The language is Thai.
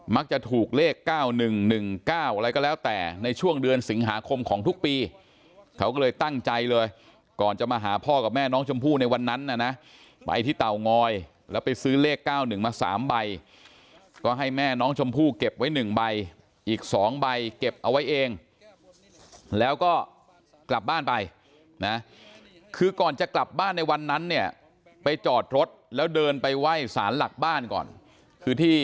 จะถูกเลข๙๑๑๙อะไรก็แล้วแต่ในช่วงเดือนสิงหาคมของทุกปีเขาก็เลยตั้งใจเลยก่อนจะมาหาพ่อกับแม่น้องชมพู่ในวันนั้นนะไปที่เตางอยแล้วไปซื้อเลข๙๑มา๓ใบก็ให้แม่น้องชมพู่เก็บไว้๑ใบอีก๒ใบเก็บเอาไว้เองแล้วก็กลับบ้านไปนะคือก่อนจะกลับบ้านในวันนั้นเนี่ยไปจอดรถแล้วเดินไปไหว้สารหลักบ้านก่อนคือที่